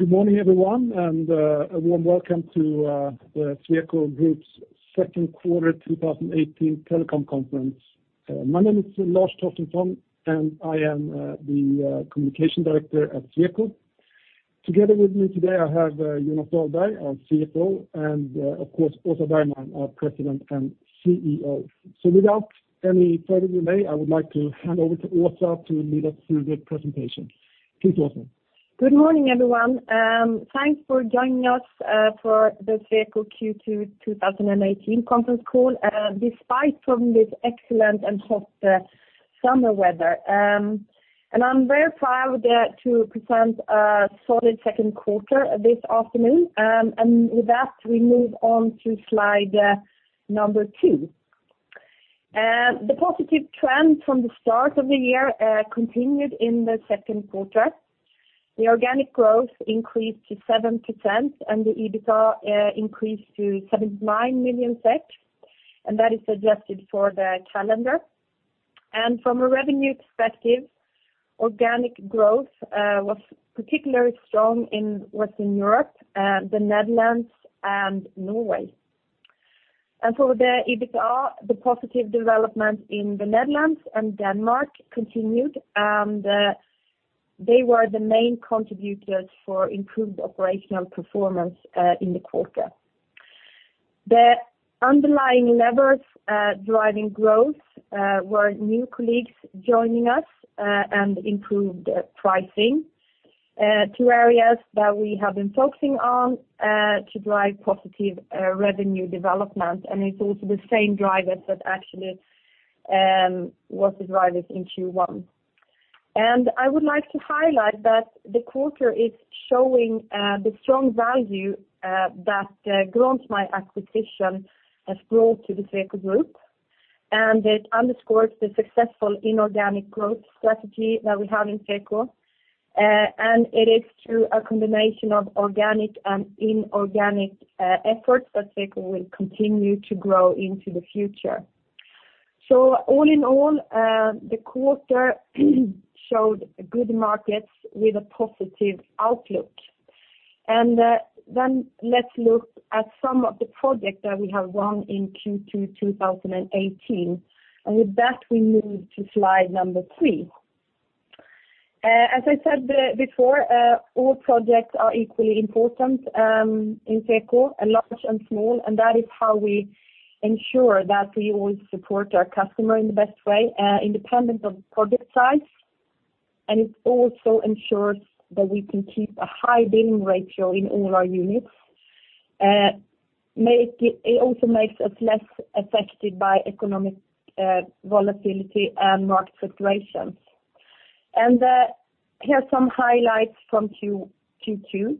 Good morning, everyone, and a warm welcome to the Sweco Group's second quarter 2018 telecom conference. My name is Lars Torstensson, and I am the Communication Director at Sweco. Together with me today, I have Jonas Dahlberg, our CFO, and of course Åsa Bergman, our President and CEO. So without any further delay, I would like to hand over to Åsa to lead us through the presentation. Please, Åsa. Good morning, everyone. Thanks for joining us for the Sweco Q2 2018 conference call, despite this excellent and hot summer weather. I'm very proud to present a solid second quarter this afternoon. With that, we move on to slide number two. The positive trend from the start of the year continued in the second quarter. The organic growth increased to 7%, and the EBITDA increased to 79 million SEK, and that is adjusted for the calendar. From a revenue perspective, organic growth was particularly strong in Western Europe, the Netherlands, and Norway. For the EBITDA, the positive development in the Netherlands and Denmark continued, and they were the main contributors for improved operational performance in the quarter. The underlying levers driving growth were new colleagues joining us and improved pricing, two areas that we have been focusing on to drive positive revenue development. It's also the same drivers that actually were the drivers in Q1. I would like to highlight that the quarter is showing the strong value that the Grontmij acquisition has brought to the Sweco Group, and it underscores the successful inorganic growth strategy that we have in Sweco. It is through a combination of organic and inorganic efforts that Sweco will continue to grow into the future. So all in all, the quarter showed good markets with a positive outlook. Then let's look at some of the projects that we have won in Q2 2018, and with that, we move to slide number three. As I said before, all projects are equally important in Sweco, and large and small, and that is how we ensure that we will support our customer in the best way, independent of project size. It also ensures that we can keep a high billing ratio in all our units. It also makes us less affected by economic volatility and market fluctuations. Here are some highlights from Q2.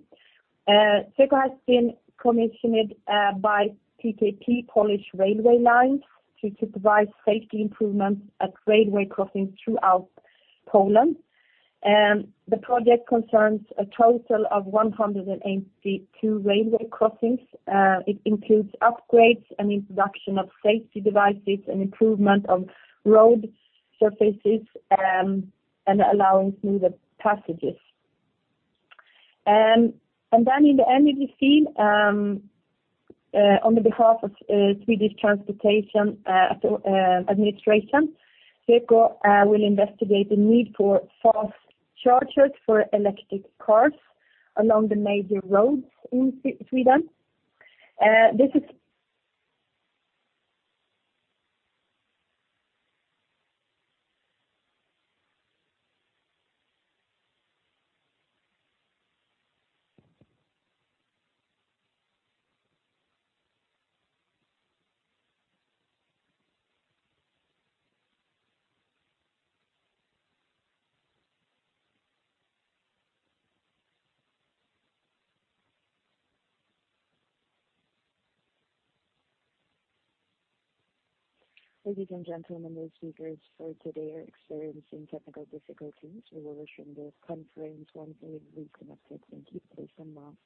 Sweco has been commissioned by PKP Polish Railway Lines to supervise safety improvements at railway crossings throughout Poland. The project concerns a total of 182 railway crossings. It includes upgrades and introduction of safety devices and improvement of road surfaces, and allowing smoother passages. And then in the energy scene, on behalf of Swedish Transport Administration, Sweco will investigate the need for fast chargers for electric cars along the major roads in Sweden. This is- Ladies and gentlemen, the speakers for today are experiencing technical difficulties. We will resume the conference once they've reconnected. Thank you for your patience. Oops!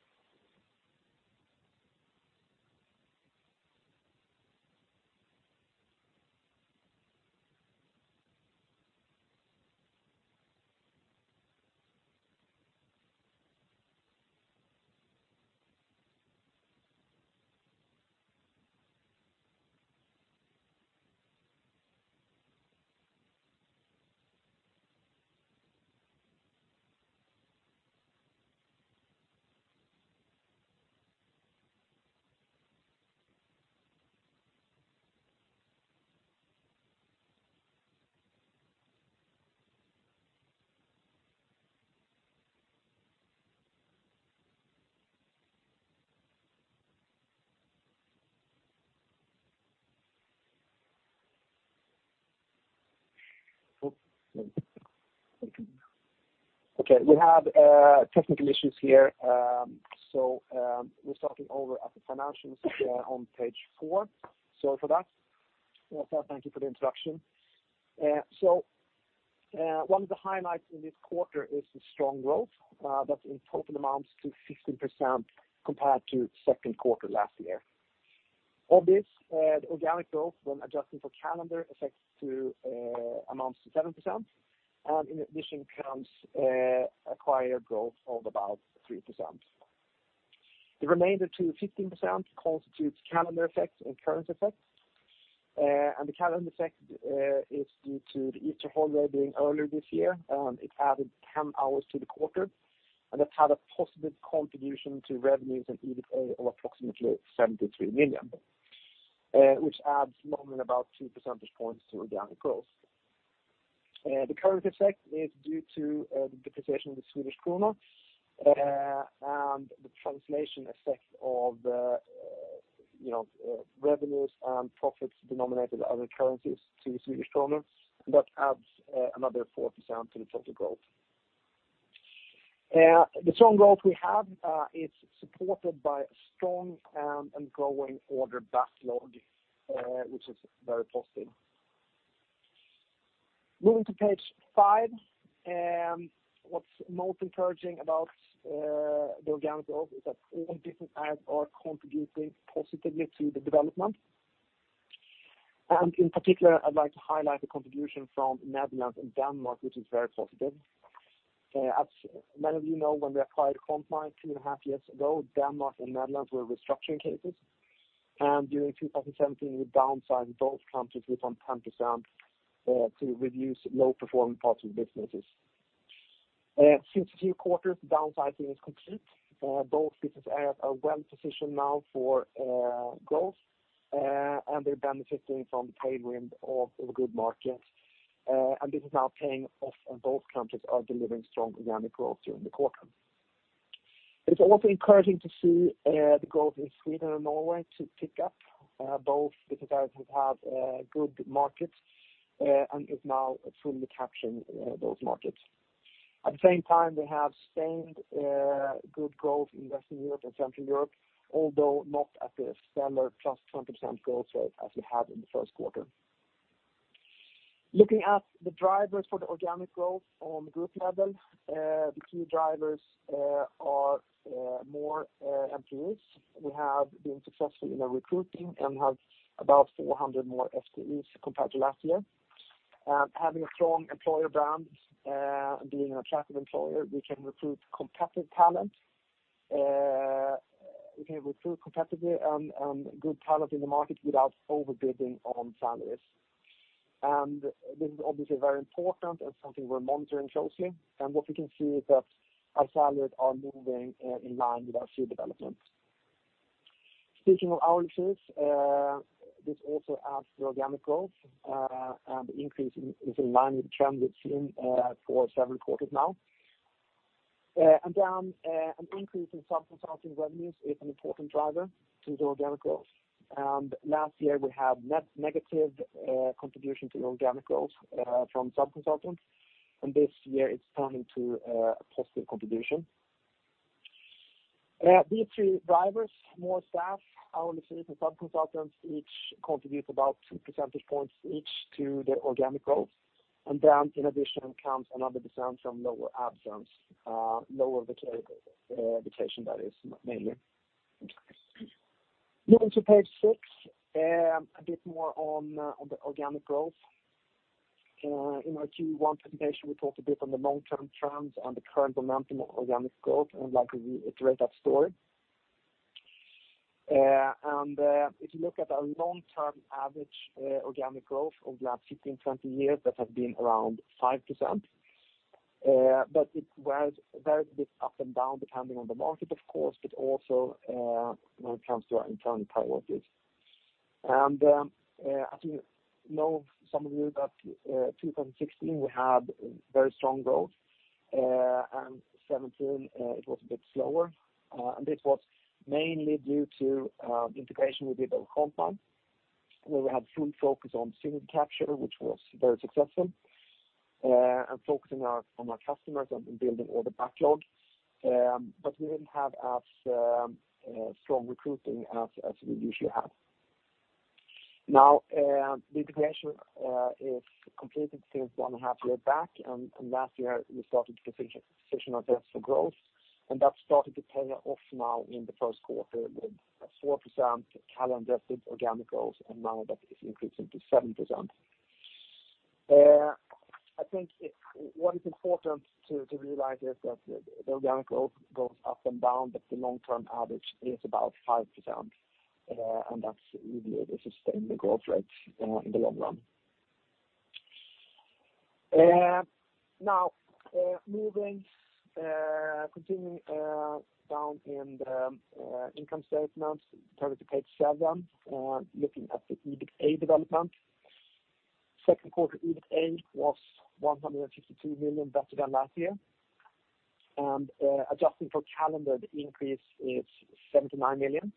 Okay, we have technical issues here. We're starting over at the financials, on page four. Sorry for that. Åsa, thank you for the introduction. One of the highlights in this quarter is the strong growth, that in total amounts to 16% compared to second quarter last year. Of this, the organic growth when adjusting for calendar effects amounts to 7%, and in addition comes acquired growth of about 3%. The remainder to 15% constitutes calendar effects and currency effects. The calendar effect is due to the Easter holiday being earlier this year, and it added 10 hours to the quarter, and that had a positive contribution to revenues and EBITA of approximately 73 million, which adds more than about 2 percentage points to organic growth. The current effect is due to the depreciation of the Swedish krona and the translation effect of the, you know, revenues and profits denominated in other currencies to Swedish krona. That adds another 4% to the total growth. The strong growth we have is supported by a strong and growing order backlog, which is very positive. Moving to page five, what's most encouraging about the organic growth is that all business areas are contributing positively to the development. In particular, I'd like to highlight the contribution from Netherlands and Denmark, which is very positive. As many of you know, when we acquired Grontmij 2.5 years ago, Denmark and Netherlands were restructuring cases. During 2017, we downsized both countries with some 10%, to reduce low-performing parts of the businesses. Since a few quarters, the downsizing is complete. Both business areas are well positioned now for growth, and they're benefiting from the tailwind of the good markets. And this is now paying off, and both countries are delivering strong organic growth during the quarter. It's also encouraging to see the growth in Sweden and Norway to pick up. Both business areas have good markets, and is now fully capturing those markets. At the same time, they have sustained good growth in Western Europe and Central Europe, although not at the standard +20% growth rate as we had in the first quarter. Looking at the drivers for the organic growth on the group level, the key drivers are more employees. We have been successful in our recruiting and have about 400 more FTEs compared to last year. Having a strong employer brand, being an attractive employer, we can recruit competitive talent. We can recruit competitively and good talent in the market without overbidding on salaries. This is obviously very important and something we're monitoring closely, and what we can see is that our salaries are moving in line with our fee development. Speaking of our users, this also adds to organic growth, and the increase is in line with the trend we've seen for seven quarters now. An increase in sub-consulting revenues is an important driver to the organic growth. Last year, we had net negative contribution to the organic growth from sub-consultants, and this year it's turning to a positive contribution. These two drivers, more staff hour users and sub-consultants, each contribute about 2 percentage points each to the organic growth. In addition, comes another percent from lower absence, lower vacation, vacation that is mainly. Moving to page six, a bit more on the organic growth. In our Q1 presentation, we talked a bit on the long-term trends and the current momentum of organic growth, and I'd like to reiterate that story. If you look at our long-term average organic growth over the last 15 years, 20 years, that has been around 5%. But it varies, varies a bit up and down, depending on the market, of course, but also, when it comes to our internal priorities. As you know, some of you, that, 2016, we had very strong growth, and 2017, it was a bit slower. And this was mainly due to, integration with Grontmij, where we had full focus on synergy capture, which was very successful, and focusing on, on our customers and building order backlog. But we didn't have as, strong recruiting as, as we usually have. Now, the integration is completed since one and a half year back, and last year, we started to position ourselves for growth, and that started to pay off now in the first quarter with a 4% calendar organic growth, and now that is increasing to 7%. I think what is important to realize is that the organic growth goes up and down, but the long-term average is about 5%, and that's really a sustainable growth rate in the long run. Now, moving, continuing down in the income statement, turning to page seven, looking at the EBITA development. Second quarter EBITA was 152 million better than last year. And, adjusting for calendar, the increase is 79 million.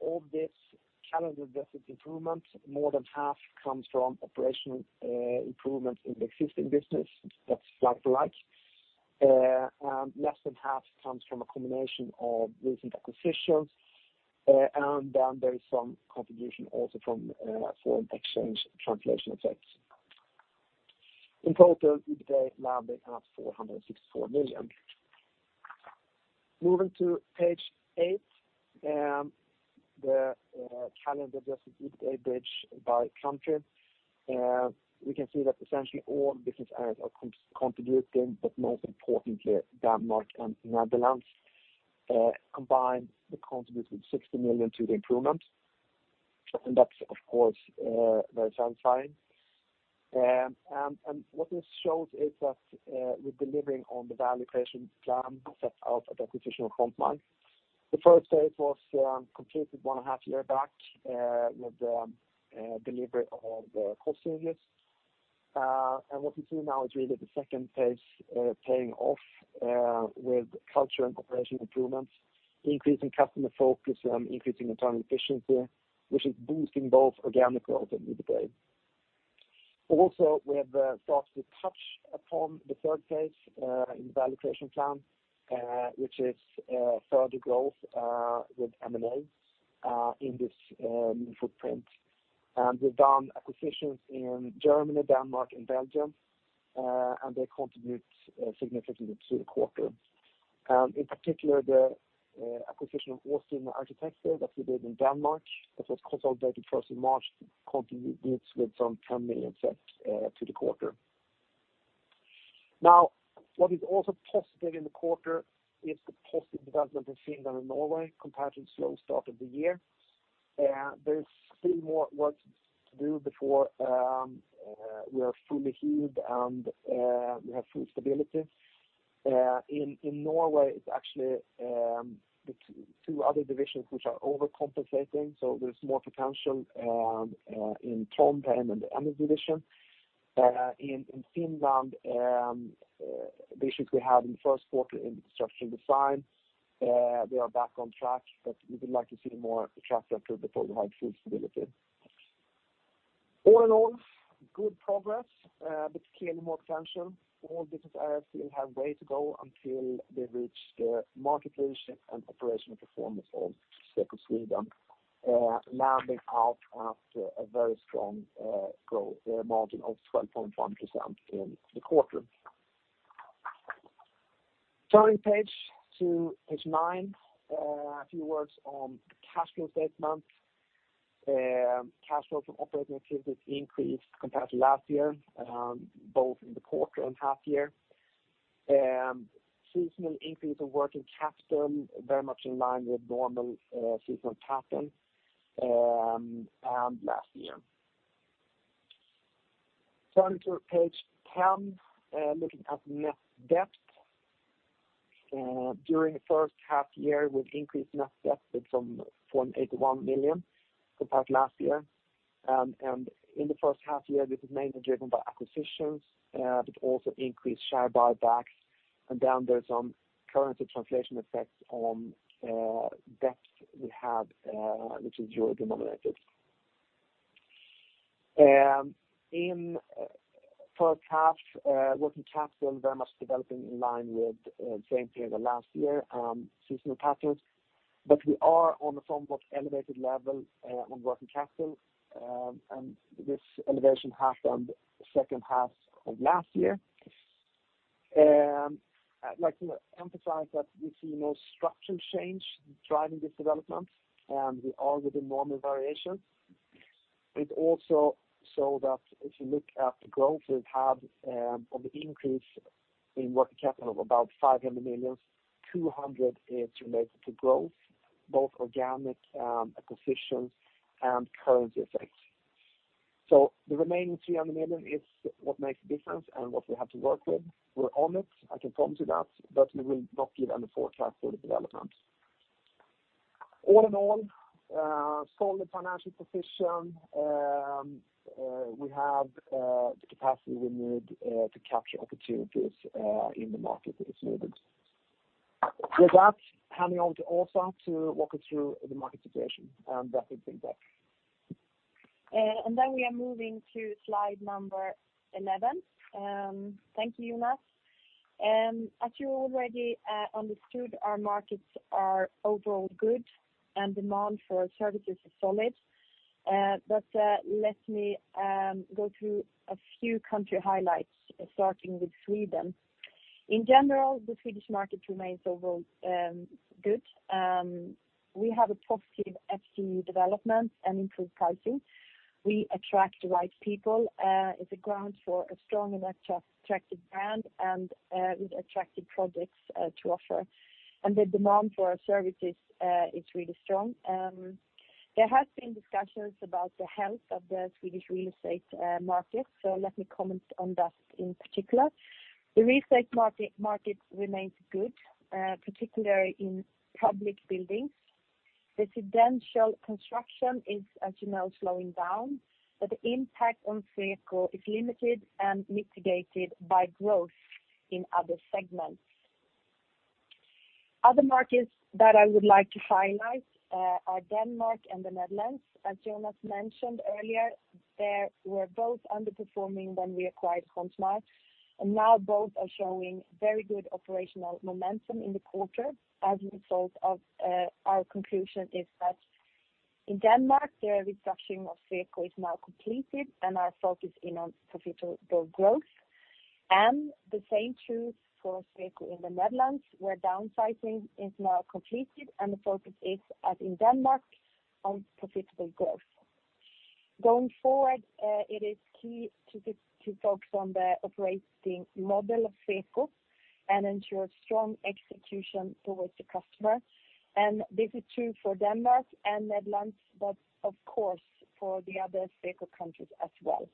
Of this calendar versus improvement, more than half comes from operational improvement in the existing business. That's like to like. And less than half comes from a combination of recent acquisitions, and then there is some contribution also from foreign exchange translation effects. In total, EBITA landing at 464 million. Moving to page 8, the currency-adjusted EBITA bridge by country. We can see that essentially all business areas are contributing, but most importantly, Denmark and Netherlands combined they contributed 60 million to the improvement. And that's, of course, very satisfying. And what this shows is that we're delivering on the value creation plan set out at the acquisition of Grontmij. The first phase was completed one and a half year back, with the delivery of the cost savings. And what we see now is really the second phase, paying off, with culture and operational improvements, increasing customer focus, increasing internal efficiency, which is boosting both organic growth and EBITA. Also, we have started to touch upon the third phase, in the value creation plan, which is further growth, with M&A, in this new footprint. And we've done acquisitions in Germany, Denmark, and Belgium, and they contribute significantly to the quarter. In particular, the acquisition of Årstiderne Arkitekter that we did in Denmark, that was consolidated first in March, contributes with some 10 million effect to the quarter. Now, what is also positive in the quarter is the positive development in Finland and Norway, compared to the slow start of the year. There's still more work to do before we are fully healed and we have full stability. In Norway, it's actually the two other divisions which are overcompensating, so there's more potential in Trondheim and the Energy division. In Finland, issues we had in the first quarter in the construction design, we are back on track, but we would like to see more traction before we have full stability. All in all, good progress, but clearly more potential. All business areas still have way to go until they reach the market leadership and operational performance of Sweco Sweden, landing at a very strong growth margin of 12.1% in the quarter. Turning to page nine, a few words on the cash flow statement. Cash flow from operating activities increased compared to last year, both in the quarter and half year. Seasonal increase in working capital, very much in line with normal, seasonal pattern, and last year. Turning to page 10, looking at net debt. During the first half year, we've increased net debt with 0.81 billion compared to last year. In the first half year, this is mainly driven by acquisitions, but also increased share buybacks, and then there's some currency translation effects on debt we have, which is euro denominated. In forecast, working capital very much developing in line with same period of last year, seasonal patterns. We are on a somewhat elevated level on working capital, and this elevation happened the second half of last year. I'd like to emphasize that we see no structural change driving this development, and we are within normal variation. It also showed that if you look at the growth, we've had of increase in working capital of about 500 million, 200 million is related to growth, both organic acquisitions and currency effects. So the remaining 300 million is what makes a difference and what we have to work with. We're on it, I can promise you that, but we will not give any forecast for the development. All in all, solid financial position, we have the capacity we need to capture opportunities in the market as needed. With that, handing over to Åsa to walk you through the market situation, and back with feedback. And then we are moving to slide number 11. Thank you, Jonas. As you already understood, our markets are overall good, and demand for services is solid. But let me go through a few country highlights, starting with Sweden. In general, the Swedish market remains overall good. We have a positive FTE development and improved pricing. We attract the right people. It's a ground for a strong and attractive brand, and with attractive products to offer. And the demand for our services is really strong. There has been discussions about the health of the Swedish real estate market, so let me comment on that in particular. The real estate market remains good, particularly in public buildings. Residential construction is, as you know, slowing down, but the impact on Sweco is limited and mitigated by growth in other segments. Other markets that I would like to highlight are Denmark and the Netherlands. As Jonas mentioned earlier, they were both underperforming when we acquired Grontmij, and now both are showing very good operational momentum in the quarter. As a result, our conclusion is that in Denmark, the restructuring of Sweco is now completed and we are focused on profitable growth. The same is true for Sweco in the Netherlands, where downsizing is now completed and the focus is, as in Denmark, on profitable growth. Going forward, it is key to focus on the operating model of Sweco and ensure strong execution towards the customer. This is true for Denmark and the Netherlands, but of course, for the other Sweco countries as well.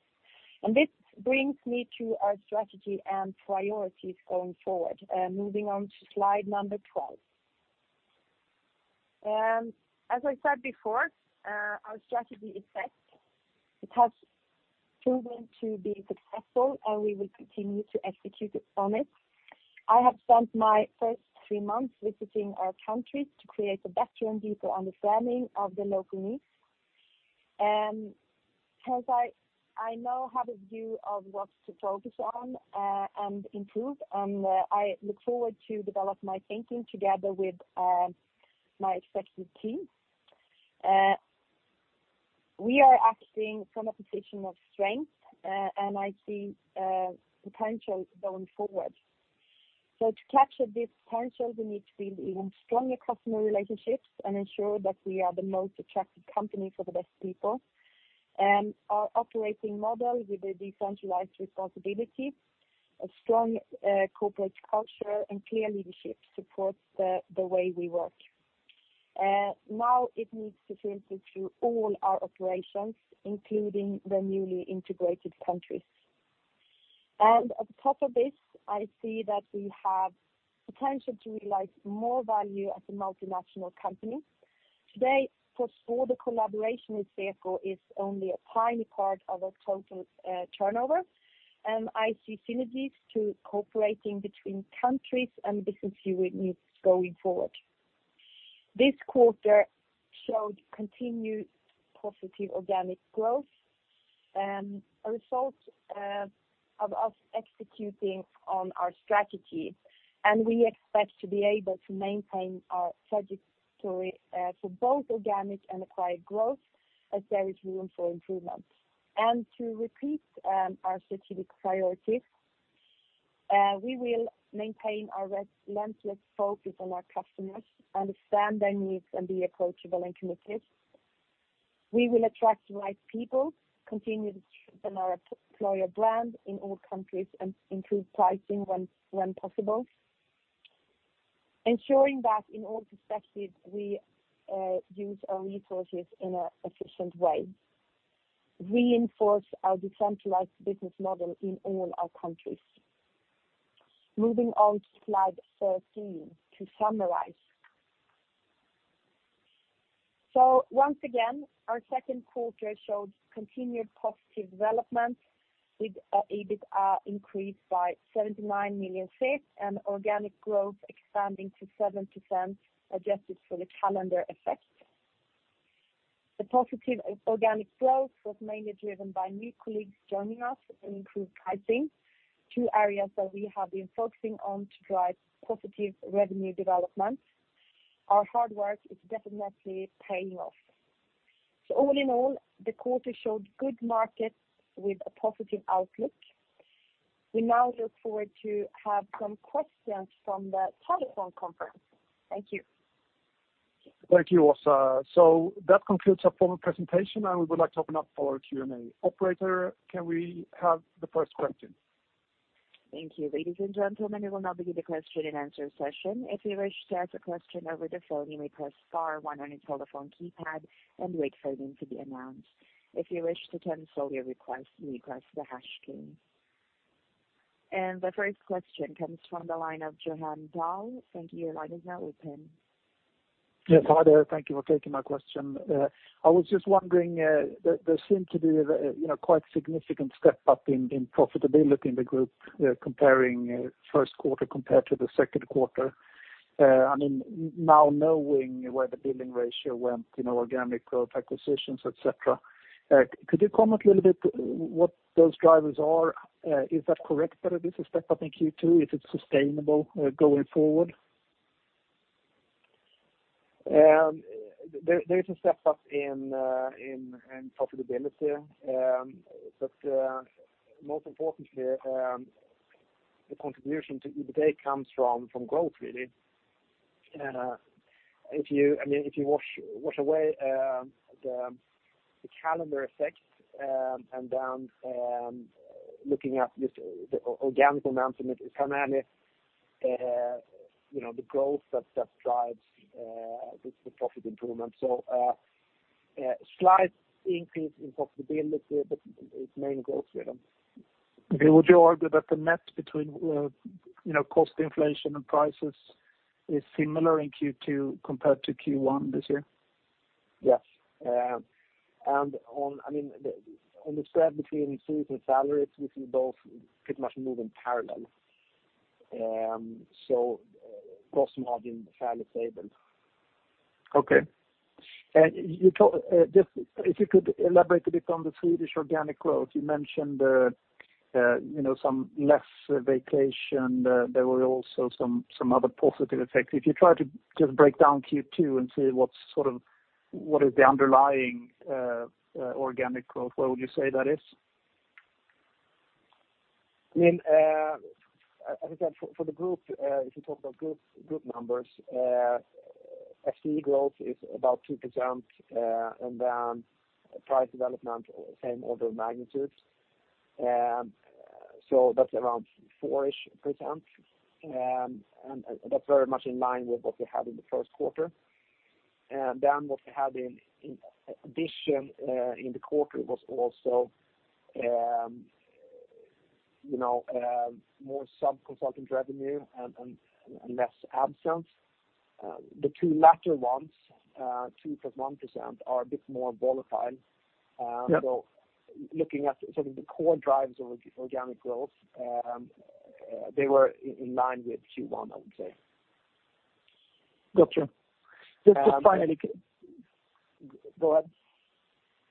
This brings me to our strategy and priorities going forward. Moving on to slide number 12. As I said before, our strategy is set. It has proven to be successful, and we will continue to execute on it. I have spent my first three months visiting our countries to create a better and deeper understanding of the local needs. As I now have a view of what to focus on, and improve, and I look forward to develop my thinking together with my executive team. We are acting from a position of strength, and I see potential going forward. To capture this potential, we need to build even stronger customer relationships and ensure that we are the most attractive company for the best people. Our operating model with a decentralized responsibility, a strong, corporate culture and clear leadership supports the way we work. Now it needs to filter through all our operations, including the newly integrated countries. And on top of this, I see that we have potential to realize more value as a multinational company. Today, cross-border collaboration with Sweco is only a tiny part of our total, turnover, and I see synergies to cooperating between countries and business units going forward. This quarter showed continued positive organic growth, a result, of us executing on our strategy, and we expect to be able to maintain our trajectory, for both organic and acquired growth as there is room for improvement. And to repeat, our strategic priorities, we will maintain our relentless focus on our customers, understand their needs, and be approachable and committed. We will attract the right people, continue to strengthen our employer brand in all countries, and improve pricing when possible. Ensuring that in all perspectives, we use our resources in an efficient way, reinforce our decentralized business model in all our countries. Moving on to slide 13, to summarize. So once again, our second quarter showed continued positive development, with our EBITA increased by 79 million, and organic growth expanding to 7%, adjusted for the calendar effect. The positive organic growth was mainly driven by new colleagues joining us and improved pricing, two areas that we have been focusing on to drive positive revenue development. Our hard work is definitely paying off. So all in all, the quarter showed good markets with a positive outlook. We now look forward to have some questions from the telephone conference. Thank you. Thank you, Åsa. So that concludes our formal presentation, and we would like to open up for Q&A. Operator, can we have the first question? Thank you. Ladies and gentlemen, we will now begin the question-and-answer session. If you wish to ask a question over the phone, you may press star one on your telephone keypad and wait for your name to be announced. If you wish to cancel your request, you press the hash key. The first question comes from the line of Johan Dahl. Thank you. Your line is now open. Yes, hi there. Thank you for taking my question. I was just wondering, there seemed to be, you know, quite significant step-up in profitability in the group, comparing first quarter compared to the second quarter. I mean, now knowing where the billing ratio went, you know, organic growth, acquisitions, et cetera, could you comment a little bit what those drivers are? Is that correct, that it is a step up in Q2? Is it sustainable, going forward? There is a step up in profitability, but most importantly, the contribution to EBITDA comes from growth, really. If you, I mean, if you wash away the calendar effects, and then, looking at the organic amount, it is primarily, you know, the growth that drives the profit improvement. So, a slight increase in profitability, but it's mainly growth driven. Okay. Would you argue that the net between, you know, cost inflation and prices is similar in Q2 compared to Q1 this year? Yes. And on, I mean, on the spread between fees and salaries, we see both pretty much move in parallel. So gross margin fairly stable. Okay. And you talk, just if you could elaborate a bit on the Swedish organic growth. You mentioned, you know, some less vacation, there were also some other positive effects. If you try to just break down Q2 and see what's sort of what is the underlying, organic growth, what would you say that is? I mean, as I said, for the group, if you talk about group numbers, FTE growth is about 2%, and then price development, same order of magnitude. So that's around 4-ish%, and that's very much in line with what we had in the first quarter. And then what we had in addition, in the quarter was also, you know, more sub-consultant revenue and less absence. The two latter ones, 2% + 1%, are a bit more volatile. Yep. So looking at some of the core drivers of organic growth, they were in line with Q1, I would say. Got you. Just finally- Go ahead.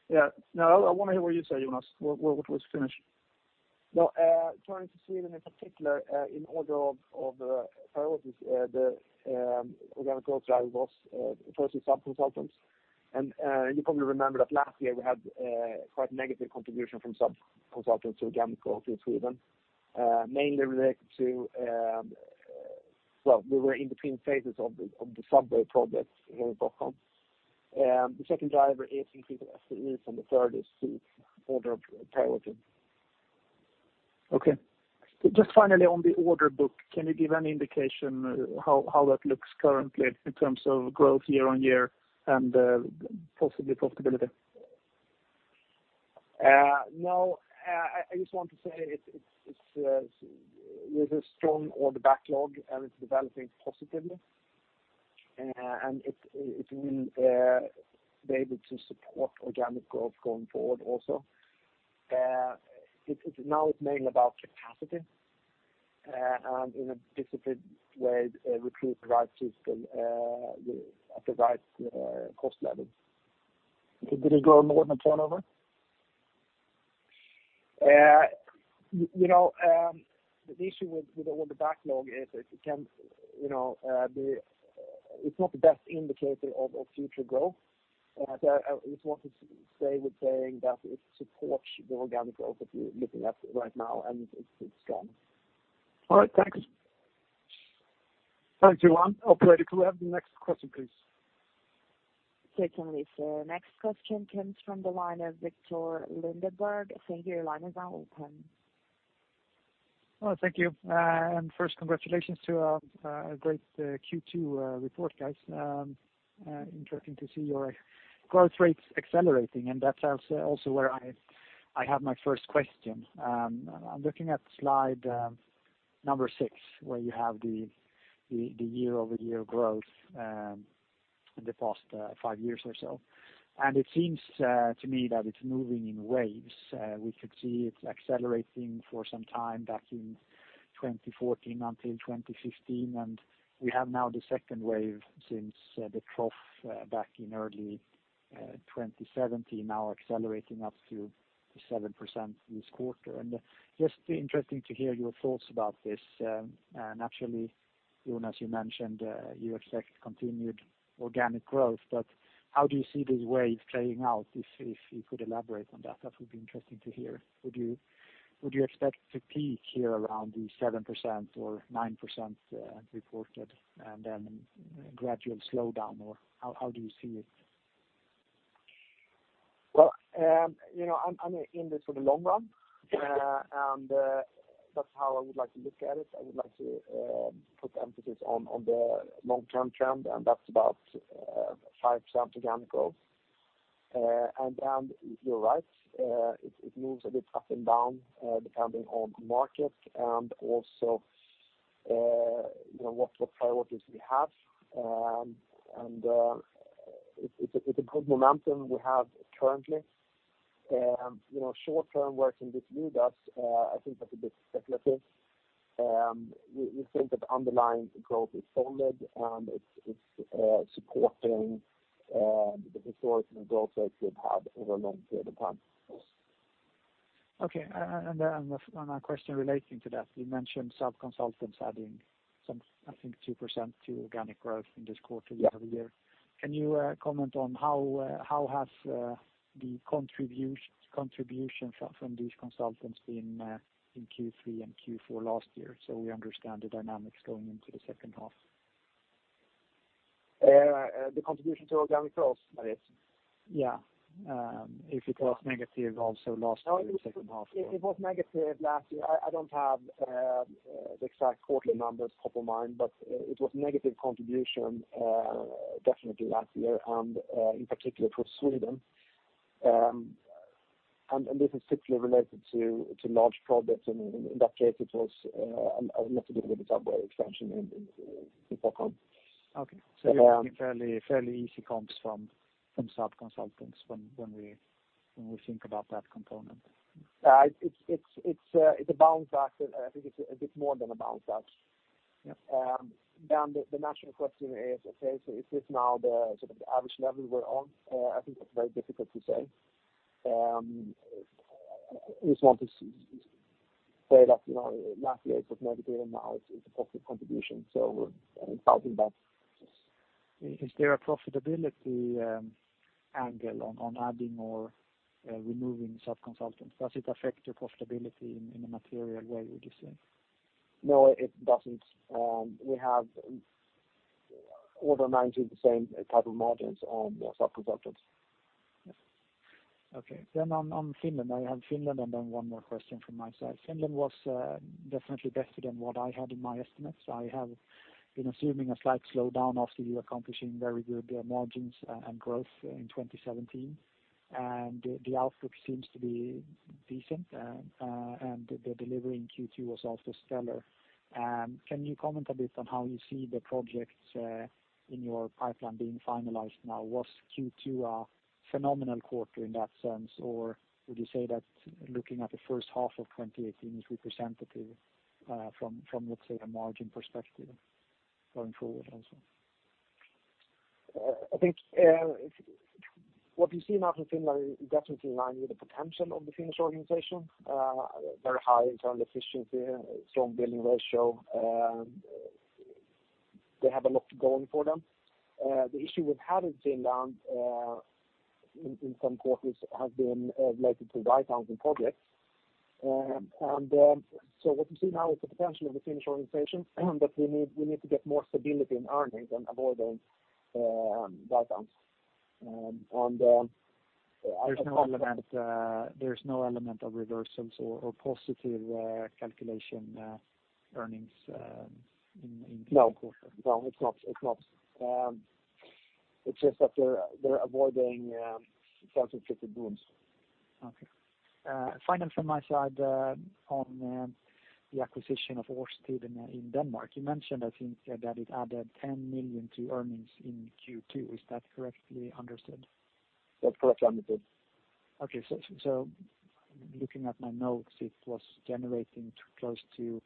Yeah. No, I want to hear what you say, Jonas. What was finished? No, trying to see it in particular, in order of priorities, the organic growth driver was first in sub-consultants. And, you probably remember that last year we had quite negative contribution from sub-consultants to organic growth in Sweden, mainly related to... Well, we were in between phases of the subway project here in Stockholm. The second driver is increase in FTEs, and the third is the order priority. Okay. Just finally, on the order book, can you give any indication how that looks currently in terms of growth year-on-year and possibly profitability? No, I just want to say there's a strong order backlog, and it's developing positively. And it will be able to support organic growth going forward also. It now is mainly about capacity, and in a disciplined way, recruit the right people at the right cost level. Did it grow more than turnover? You know, the issue with the order backlog is it can, you know, be. It's not the best indicator of future growth. So I just want to say with saying that it supports the organic growth that you're looking at right now, and it's strong. All right. Thanks. Thanks, Johan. Operator, could we have the next question, please? Certainly, sir. Next question comes from the line of Viktor Lindeberg. Thank you. Your line is now open. Oh, thank you. And first congratulations to a great Q2 report, guys. Interesting to see your growth rates accelerating, and that's also where I have my first question. I'm looking at slide number six, where you have the year-over-year growth in the past five years or so. And it seems to me that it's moving in waves. We could see it accelerating for some time back in 2014 until 2015, and we have now the second wave since the trough back in early 2017, now accelerating up to 7% this quarter. And just interesting to hear your thoughts about this, and actually, Jonas, you mentioned you expect continued organic growth, but how do you see these waves playing out? If you could elaborate on that, that would be interesting to hear. Would you expect to peak here around the 7% or 9% reported, and then gradual slowdown, or how do you see it? Well, you know, I'm in this for the long run. Yeah. That's how I would like to look at it. I would like to put emphasis on the long-term trend, and that's about 5% organic growth. And you're right, it moves a bit up and down depending on the market, and also, you know, what priorities we have. And it's a good momentum we have currently. You know, short-term where it can lead us, I think that's a bit speculative. We think that underlying growth is solid, and it's supporting the historical growth rate we've had over a long period of time. Okay. And one more question relating to that. You mentioned sub-consultants adding some, I think, 2% to organic growth in this quarter year-over-year. Yeah. Can you comment on how has the contribution from these consultants in Q3 and Q4 last year so we understand the dynamics going into the second half? The contribution to organic growth, that is? Yeah. If it was negative also last year, the second half. It was negative last year. I don't have the exact quarterly numbers top of mind, but it was negative contribution definitely last year, and in particular for Sweden. And this is strictly related to large projects, and in that case, it was mostly with the subway expansion in Stockholm. Okay. So fairly easy comps from sub-consultants when we think about that component. It's a balance factor, and I think it's a bit more than a balance factor. Then the natural question is, okay, so is this now the sort of average level we're on? I think it's very difficult to say. I just want to say that, you know, last year it was negative, now it's a positive contribution, so we're excited about this. Is there a profitability angle on adding or removing sub-consultants? Does it affect your profitability in a material way, would you say? No, it doesn't. We have over 90% type of margins on the sub-consultants. Okay. Then on Finland. I have Finland and then one more question from my side. Finland was definitely better than what I had in my estimates. I have been assuming a slight slowdown after you accomplishing very good margins and growth in 2017. And the outlook seems to be decent, and the delivery in Q2 was also stellar. Can you comment a bit on how you see the projects in your pipeline being finalized now? Was Q2 a phenomenal quarter in that sense, or would you say that looking at the first half of 2018 is representative, from, let's say, a margin perspective going forward also? I think what you see now in Finland is definitely in line with the potential of the Finnish organization. Very high internal efficiency, strong billing ratio, they have a lot going for them. The issue we've had in Finland, in some quarters has been related to write-downs in projects. And so what you see now is the potential of the Finnish organization, but we need to get more stability in earnings and avoid those write-downs. There's no element, there's no element of reversals or, or positive, calculation, earnings, in, in- No. No, it's not, it's not. It's just that they're, they're avoiding false and tricky bounds. Okay. Final from my side, on the acquisition of Årstiderne in Denmark. You mentioned, I think, that it added 10 million to earnings in Q2. Is that correctly understood? That's correctly understood. Okay, so looking at my notes, it was generating close to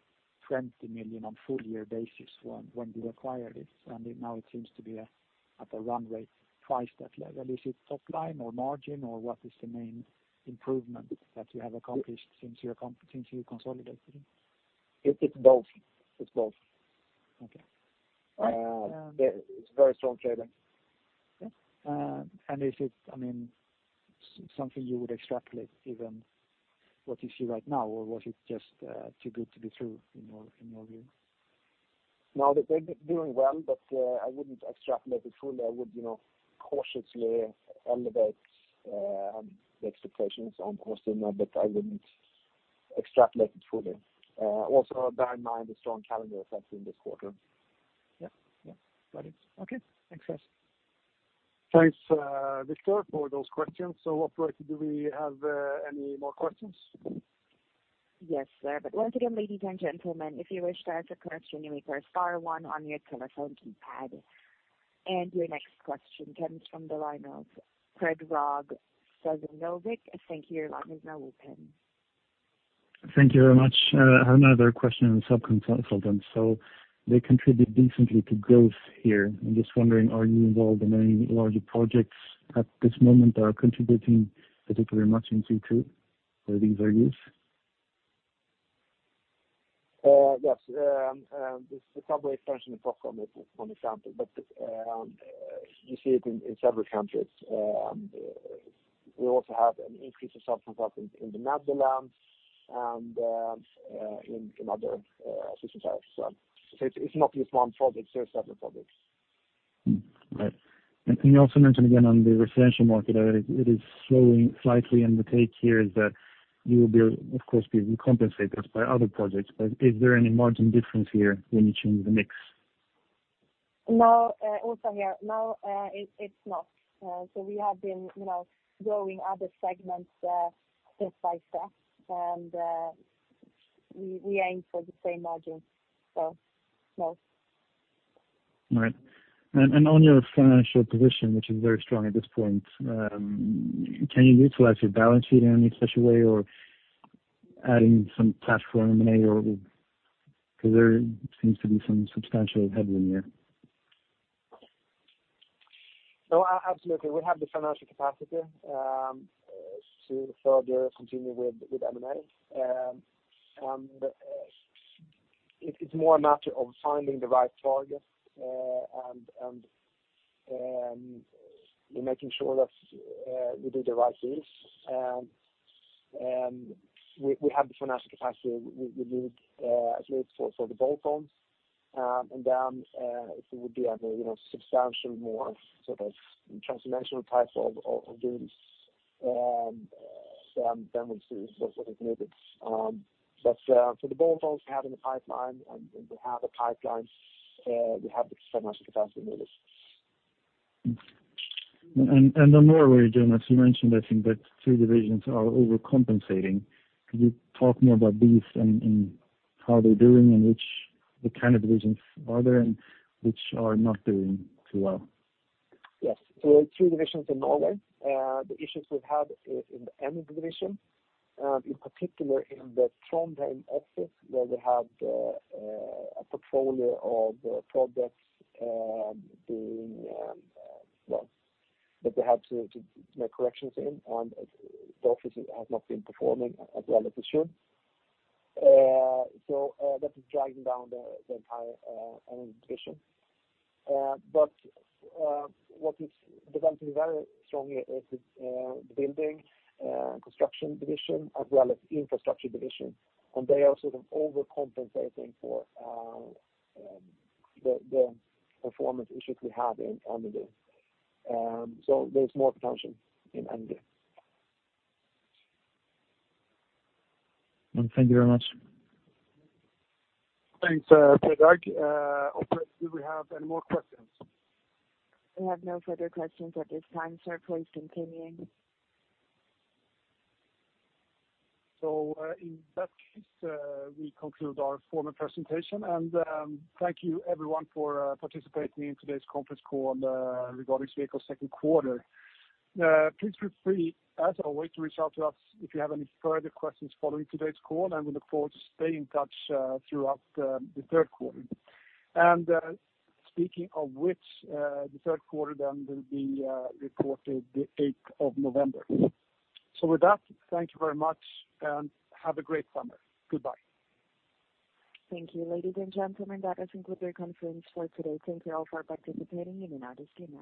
20 million on full year basis when you acquired it, and now it seems to be at a run rate twice that level. Is it top line or margin, or what is the main improvement that you have accomplished since you consolidated it? It's both. It's both. Okay. It's very strong trading. Okay. And is it, I mean, something you would extrapolate even what you see right now, or was it just too good to be true in your view? No, they're doing well, but I wouldn't extrapolate it fully. I would, you know, cautiously elevate the expectations on Årstiderne, but I wouldn't extrapolate it fully. Also bear in mind the strong calendar effect in this quarter. Yeah. Yeah. Got it. Okay, thanks, guys. Thanks, Viktor, for those questions. So operator, do we have any more questions? Yes, sir. But once again, ladies and gentlemen, if you wish to ask a question, you may press star one on your telephone keypad. Your next question comes from the line of Predrag Sazdanovic. Thank you, your line is now open. Thank you very much. I have another question on sub-consultants. So they contribute decently to growth here. I'm just wondering, are you involved in any larger projects at this moment that are contributing particularly much in Q2 for these values? Yes. The subway expansion in Stockholm is one example, but you see it in several countries. We also have an increase of sub-consultants in the Netherlands and in other societies. So it's not just one project, there are several projects. Right. And you also mentioned again on the residential market, that it is slowing slightly, and the take here is that you will, of course, be compensated by other projects, but is there any margin difference here when you change the mix? No, also here, no, it's not. We have been, you know, growing other segments, step by step, and we aim for the same margin, so no. Right. And on your financial position, which is very strong at this point, can you utilize your balance sheet in any special way or adding some platform in M&A or because there seems to be some substantial headroom there. No, absolutely. We have the financial capacity to further continue with M&A. And it's more a matter of finding the right target and making sure that we do the right deals. We have the financial capacity we need, at least for the bolt-ons. And then, if it would be at a, you know, substantially more sort of transformational type of deals, then we'll see what is needed. But for the bolt-ons we have in the pipeline and we have a pipeline, we have the financial capacity needed. And on Norway, Jonas, you mentioned, I think, that two divisions are overcompensating. Could you talk more about these and how they're doing, and which the kind of divisions are there and which are not doing too well? Yes. So there are two divisions in Norway. The issues we've had in the energy division, in particular in the Trondheim office, where they have a portfolio of projects that they have to make corrections in, and the office has not been performing as well as it should. So that is dragging down the entire energy division. But what is developing very strongly is the building construction division, as well as infrastructure division, and they are sort of overcompensating for the performance issues we have in energy. So there's more potential in energy. Well, thank you very much. Thanks, Predrag. Operator, do we have any more questions? We have no further questions at this time, sir. Please continue. So, in that case, we conclude our formal presentation, and, thank you everyone for, participating in today's conference call on, regarding Sweco's second quarter. Please feel free, as always, to reach out to us if you have any further questions following today's call, and we look forward to staying in touch, throughout, the third quarter. And, speaking of which, the third quarter then will be, reported the eighth of November. So with that, thank you very much, and have a great summer. Goodbye. Thank you, ladies and gentlemen, that does conclude our conference for today. Thank you all for participating, and you now disconnect.